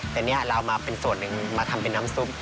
แต่นี่เราเอามาเป็นส่วนหนึ่งมาทำเป็นน้ำซุป